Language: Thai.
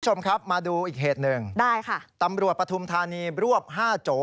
คุณผู้ชมครับมาดูอีกเหตุหนึ่งได้ค่ะตำรวจปฐุมธานีรวบห้าโจ